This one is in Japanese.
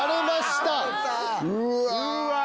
うわ！